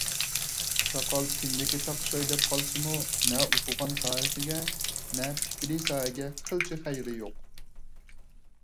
ساقال كىندىككە تاقىشاي دەپ قالسىمۇ نە ئوقۇغان ساھەسىگە، نە پىكرىي ساھەگە قىلچە خەيرى يوق.